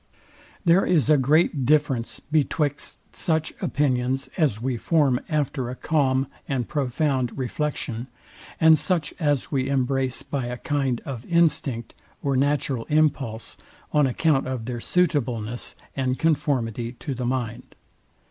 There is a great difference betwixt such opinions as we form after a calm and profound reflection, and such as we embrace by a kind of instinct or natural impulse, on account of their suitableness and conformity to the mind.